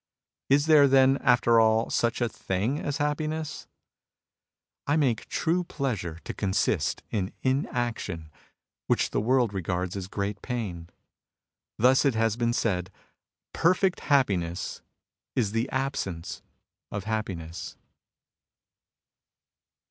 Is there, then, after all, such a thing as happiness ? I make true pleasure to consist in inaction^ which the world regards as great pain. Thus it has been said, '' Perfect happiness is the absence of happiness."